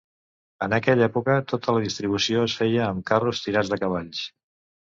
En aquella època, tota la distribució es feia amb carros tirats de cavalls.